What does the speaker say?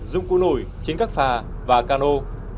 dụng cụ nổi trên các phà và cano